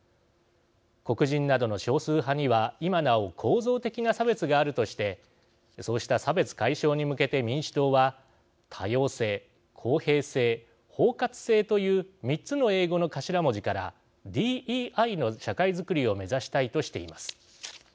黒人などの少数派には今なお構造的な差別があるとしてそうした差別解消に向けて民主党は多様性公平性包括性という３つの英語の頭文字からＤＥＩの社会づくりを目指したいとしています。